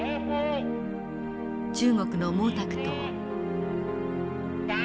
中国の毛沢東。